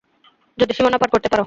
যদি সীমানা পার করতে পারো।